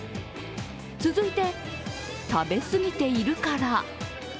続いて、食べ過ぎているから。